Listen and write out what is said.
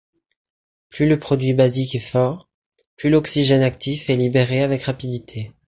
Plus le produit basique est fort, plus l'oxygène actif est libéré avec rapidité.